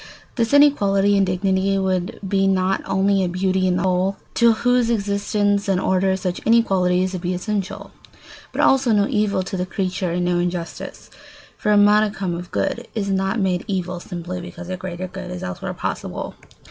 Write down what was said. This inequality in dignity would be not only a beauty in the whole, to whose existence and order such inequalities would be essential, but also no evil to the creature and no injustice; for a modicum of good is not made evil simply because a greater good is elsewhere possible.